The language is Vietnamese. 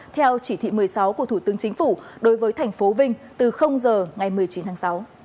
theo chỉ thị một mươi sáu của thủ tướng chính phủ đối với thành phố vinh từ giờ ngày một mươi chín tháng sáu